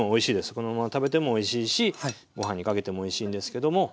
このまま食べてもおいしいしご飯にかけてもおいしいんですけども。